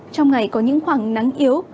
trong ngày có những khoảng nắng yếu